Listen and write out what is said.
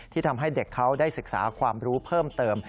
ทำให้เด็กเขาได้ศึกษาความรู้เพิ่มเติม